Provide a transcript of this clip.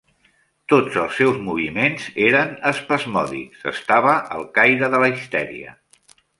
Tots els seus moviments eren espasmòdics; estava al caire de la histèria.